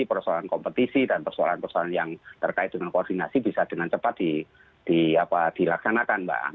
persoalan kompetisi dan persoalan persoalan yang terkait dengan koordinasi bisa dengan cepat dilaksanakan mbak